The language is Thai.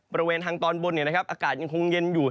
ประเวนทางตอนบนเนี่ยนะครับอากาศยังคงเย็นอยู่